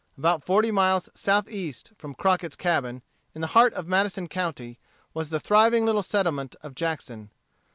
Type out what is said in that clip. About forty miles southeast from Crockett's cabin, in the heart of Madison County, was the thriving little settlement of Jackson.